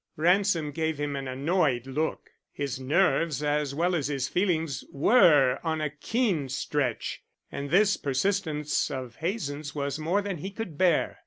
Ransom gave him an annoyed look. His nerves as well as his feelings were on a keen stretch, and this persistence of Hazen's was more than he could bear.